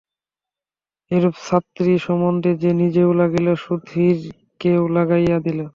এইরূপ ছাত্রী-সন্ধানে সে নিজেও লাগিল, সুধীরকেও লাগাইয়া দিল।